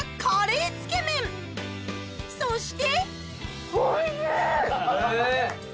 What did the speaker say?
そして！